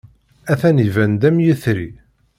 Atan iban-d am yetri.